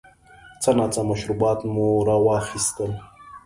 څه ناڅه مشروبات مو را واخیستل.